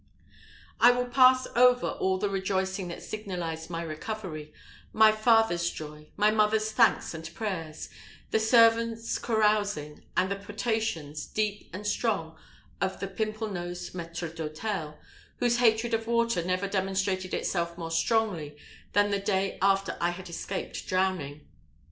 I will pass over all the rejoicing that signalized my recovery my father's joy, my mother's thanks and prayers, the servants' carousing, and the potations, deep and strong, of the pimple nosed maître d'hôtel, whose hatred of water never demonstrated itself more strongly than the day after I had escaped drowning.